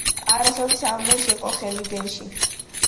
არასოდეს არ უნდა შეყო ხელი დენში.